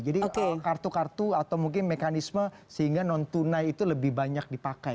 jadi kartu kartu atau mungkin mekanisme sehingga non tunai itu lebih banyak dipakai